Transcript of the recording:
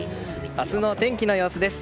明日の天気の様子です。